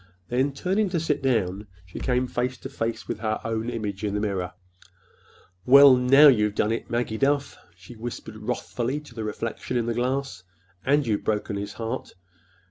Then, turning to sit down, she came face to face with her own image in the mirror. "Well, now you've done it, Maggie Duff," she whispered wrathfully to the reflection in the glass. "And you've broken his heart!